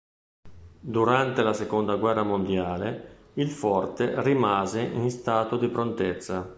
Durante la seconda guerra mondiale, il forte rimase in stato di prontezza.